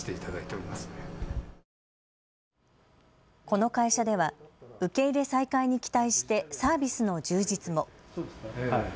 この会社では受け入れ再開に期待してサービスの充実も。